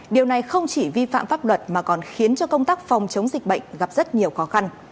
điều này không chỉ vi phạm pháp luật mà còn khiến cho công tác phòng chống dịch bệnh gặp rất nhiều khó khăn